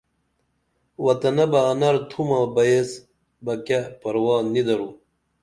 وطنہ بہ انر تُھمہ بئیس بہ کیہ پروا نی درو